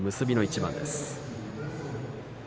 結びの一番です。